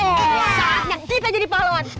saatnya kita jadi pahlawan